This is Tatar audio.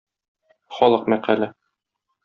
Халык мәкале.